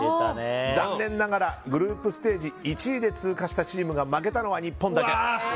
残念ながらグループステージ１位で通過したチームが負けたのは日本だけ。